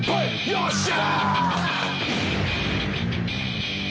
よっしゃ！